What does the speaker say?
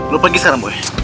lo pergi sekarang boy